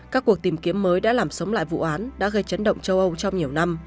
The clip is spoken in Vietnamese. các cuộc tìm kiếm mới đã làm sống lại vụ án đã gây chấn động châu âu trong nhiều năm